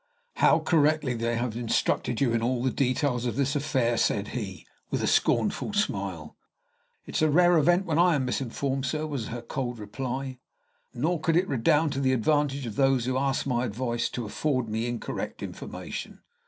"How correctly they have instructed you in all the details of this affair!" said he, with a scornful smile. "It is a rare event when I am misinformed, sir," was her cold reply; "nor could it redound to the advantage of those who ask my advice to afford me incorrect information."